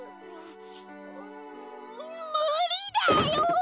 んむりだよ！